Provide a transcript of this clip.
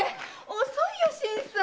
遅いよ新さん！